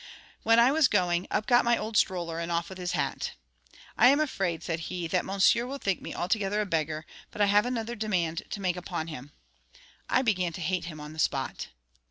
When I was going, up got my old stroller, and off with his hat. 'I am afraid,' said he, 'that Monsieur will think me altogether a beggar; but I have another demand to make upon him.' I began to hate him on the spot.